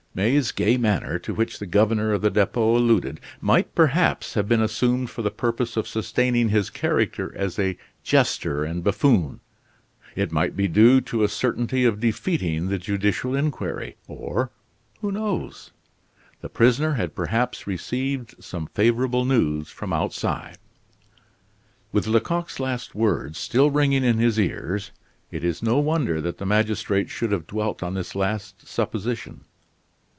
May's gay manner to which the governor of the Depot alluded might perhaps have been assumed for the purpose of sustaining his character as a jester and buffoon, it might be due to a certainty of defeating the judicial inquiry, or, who knows? the prisoner had perhaps received some favorable news from outside. With Lecoq's last words still ringing in his ears, it is no wonder that the magistrate should have dwelt on this last supposition.